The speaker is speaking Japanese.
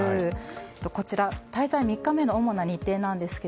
こちら滞在３日目の主な日程なんですが